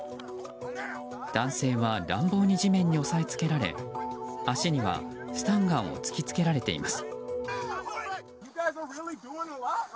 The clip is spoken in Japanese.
男性は乱暴に地面に押さえつけられ足にはスタンガンを突きつけられています。